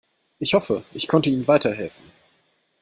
Ich hoffe, ich konnte ihnen weiterhelfen.